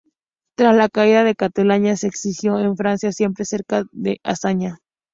Tras la caída de Cataluña se exilió en Francia, siempre cerca de Azaña.